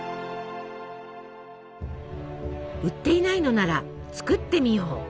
売っていないのならつくってみよう。